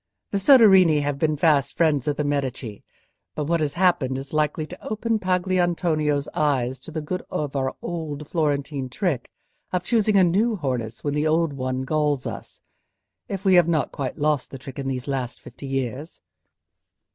The Soderini have been fast friends of the Medici, but what has happened is likely to open Pagolantonio's eyes to the good of our old Florentine trick of choosing a new harness when the old one galls us; if we have not quite lost the trick in these last fifty years."